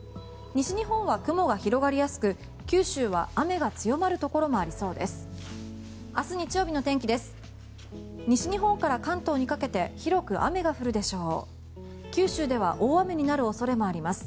西日本は雲が広がりやすく九州は雨が強まるところもありそうです。